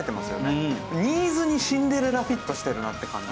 ニーズにシンデレラフィットしてるなって感じが。